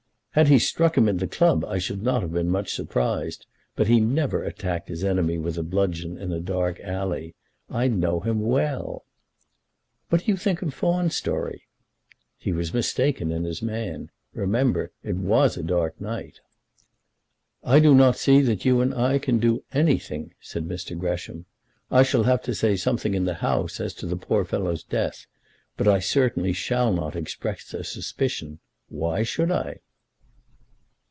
"Had he struck him in the club I should not have been much surprised; but he never attacked his enemy with a bludgeon in a dark alley. I know him well." "What do you think of Fawn's story?" "He was mistaken in his man. Remember; it was a dark night." "I do not see that you and I can do anything," said Mr. Gresham. "I shall have to say something in the House as to the poor fellow's death, but I certainly shall not express a suspicion. Why should I?"